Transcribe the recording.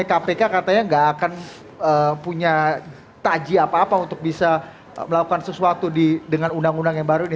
kpk katanya nggak akan punya taji apa apa untuk bisa melakukan sesuatu dengan undang undang yang baru ini